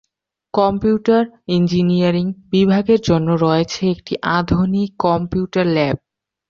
Computer engineering বিভাগের জন্য রয়েছে একটি আধুনিক কম্পিউটার ল্যাব।